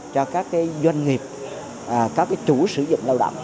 cho các doanh nghiệp các chủ sử dụng lao động